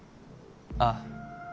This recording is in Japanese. ああ。